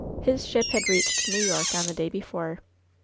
His ship had reached New York on the day before.